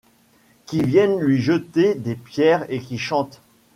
Qui viennent lui jeter des pierres et qui chantent !